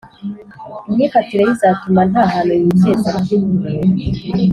imyifatire ye izatuma ntahantu yigeza